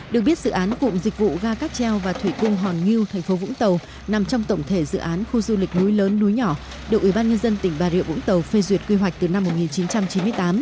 được biết dự án cụm dịch vụ ga cắp treo và thủy cung hòn ngư thành phố vũng tàu nằm trong tổng thể dự án khu du lịch núi lớn núi nhỏ được ubnd tỉnh bà rịa vũng tàu phê duyệt quy hoạch từ năm một nghìn chín trăm chín mươi tám